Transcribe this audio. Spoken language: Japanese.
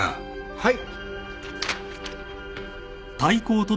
はい！